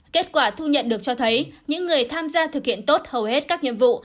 kết quả thu nhận được cho thấy những người tham gia thực hiện tốt hầu hết các nhiệm vụ